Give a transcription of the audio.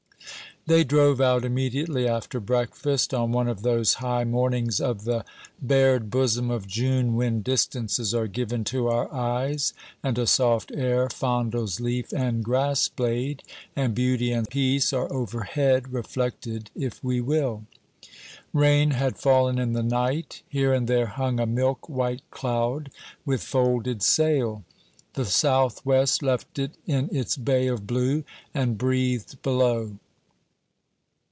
They drove out immediately after breakfast, on one of those high mornings of the bared bosom of June when distances are given to our eyes, and a soft air fondles leaf and grass blade, and beauty and peace are overhead, reflected, if we will. Rain had fallen in the night. Here and there hung a milk white cloud with folded sail. The South west left it in its bay of blue, and breathed below.